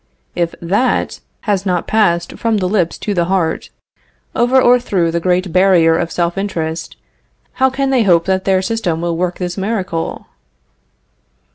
If that has not passed from the lips to the heart, over or through the great barrier of self interest, how can they hope that their system will work this miracle?